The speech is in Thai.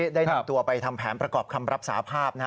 ได้นำตัวไปทำแผนประกอบคำรับสาภาพ